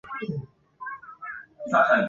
土地经济学中的边际土地有三种